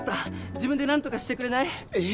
自分で何とかしてくれない？ええ！？